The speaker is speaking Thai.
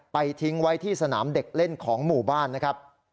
ทิ้งไว้ที่สนามเด็กเล่นของหมู่บ้านนะครับ